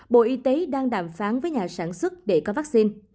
bộ y tế đang đàm phán với nhà sản xuất để có vaccine